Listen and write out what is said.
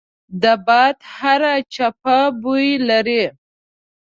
د باد هره چپه بوی لري